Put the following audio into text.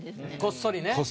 こっそりね。